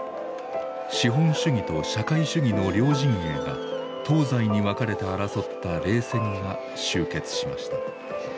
資本主義と社会主義の両陣営が東西に分かれて争った冷戦が終結しました。